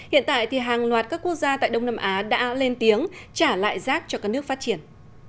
hiện tại thì hàng loạt các quốc gia tại đông nam á đã lên tiếng trả lại rác cho các nước phát triển